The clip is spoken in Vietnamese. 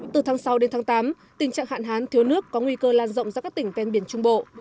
từ tháng sáu đến tháng tám tình trạng hạn hán thiếu nước có nguy cơ lan rộng ra các tỉnh ven biển trung bộ